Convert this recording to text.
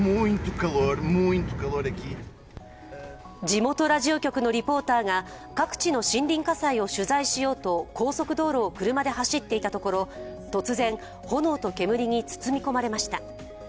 地元ラジオ局のリポーターが各地の森林火災を取材しようと高速道路を車で走っていたところ、突然、炎と煙に包み込まれました。